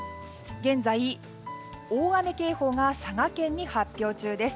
現在、大雨警報が佐賀県に発表中です。